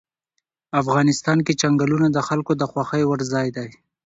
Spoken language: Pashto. افغانستان کې چنګلونه د خلکو د خوښې وړ ځای دی.